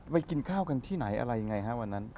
ไปกินข้าวกันที่ไหนอะไรอย่างไรวันนั้น